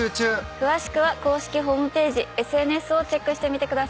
詳しくは公式ホームページＳＮＳをチェックしてみてください。